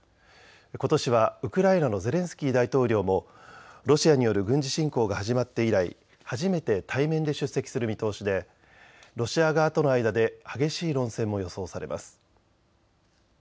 ことしはウクライナのゼレンスキー大統領もロシアによる軍事侵攻が始まって以来、初めて対面で出席する見通しでロシア側との間で激しい論戦も予想されます。